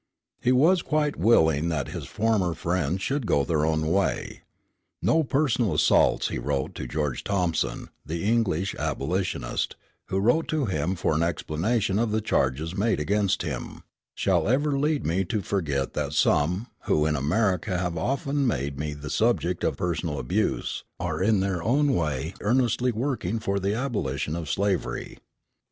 He was quite willing that his former friends should go their own way. "No personal assaults," he wrote to George Thompson, the English abolitionist, who wrote to him for an explanation of the charges made against him, "shall ever lead me to forget that some, who in America have often made me the subject of personal abuse, are in their own way earnestly working for the abolition of slavery."